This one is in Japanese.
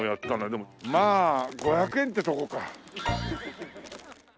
でもまあ５００円ってとこか。